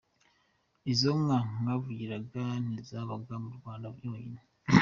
Izo nka mwavugiraga ntizabaga mu Rwanda honyine.